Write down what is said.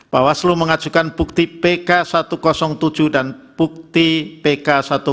bahwa seluruh mengajukan bukti pk satu ratus tujuh dan bukti pk satu ratus delapan